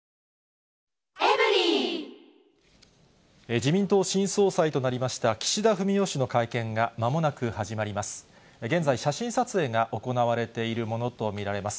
自民党新総裁となりました、岸田文雄氏の会見が、まもなく始まります。